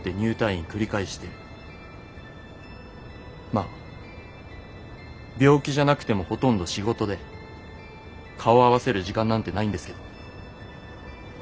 まっ病気じゃなくてもほとんど仕事で顔合わせる時間なんてないんですけど。